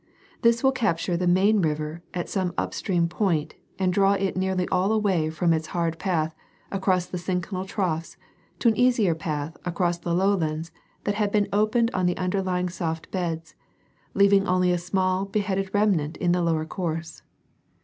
This will capture the main river at some up stream point, and draw it nearly all away from its hard path across the synclinal troughs to an easier path across the low lands that had been opened on the underlying softer beds, leaving only a small beheaded remnant in the lower course.